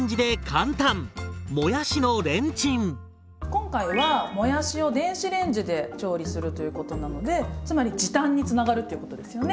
今回はもやしを電子レンジで調理するということなのでつまり時短につながるっていうことですよね？